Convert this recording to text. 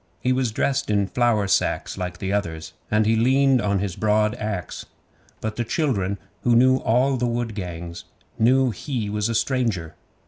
He was dressed in flour sacks like the others, and he leaned on his broad axe, but the children, who knew all the wood gangs, knew he was a stranger.